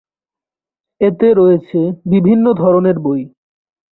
এতে রয়েছে বিভিন্ন ধরনের বই।